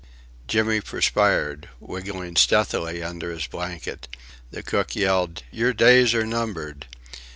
Jimmy perspired, wriggling stealthily under his blanket. The cook yelled.... "Your days are numbered!...